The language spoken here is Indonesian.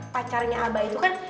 pacarnya abah itu kan